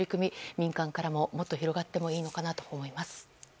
民間からももっと広がってもいいのかなと思います。